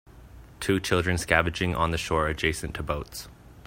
Two children scavenging on the shore adjacent to boats.